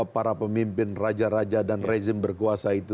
para pemimpin raja raja dan rezim berkuasa itu